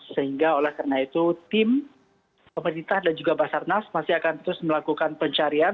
sehingga oleh karena itu tim pemerintah dan juga basarnas masih akan terus melakukan pencarian